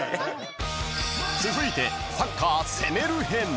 ［続いてサッカー攻める編］